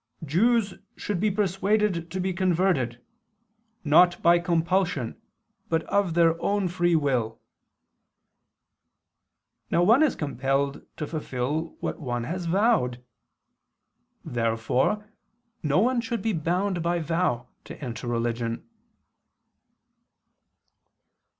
15): Jews "should be persuaded to be converted, not by compulsion but of their own free will" (Dist. xlv, can. De Judaeis). Now one is compelled to fulfil what one has vowed. Therefore no one should be bound by vow to enter religion.